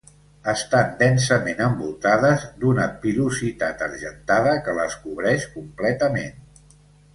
Estan densament envoltades d'una pilositat argentada que les cobreix completament.